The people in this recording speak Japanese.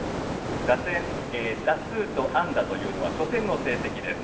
打数と安打というのは初戦の成績です。